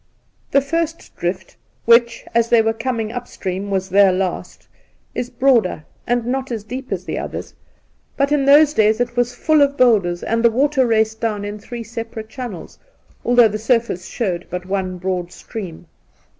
Induna Nairn 113 The First Drift, which, as they were coming up stream, was their last, is broader, and not as deep as the others ; but in those days it was full of boulders, and the water raced down in three separate channels, although the surfeice showed but one broad stream.